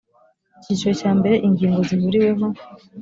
icyiciro cya mbere ingingo zihuriweho